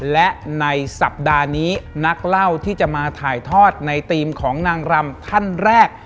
และในสัปดาห์นี้นักเล่าที่จะมาถ่ายทอดในธีมของนางรำท่านแรก